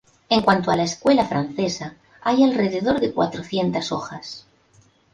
En cuanto a la escuela francesa, hay alrededor de cuatrocientas hojas.